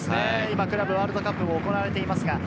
今、クラブワールドカップも行われています。